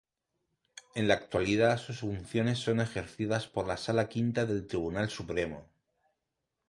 En la actualidad sus funciones son ejercidas por la Sala Quinta del Tribunal Supremo.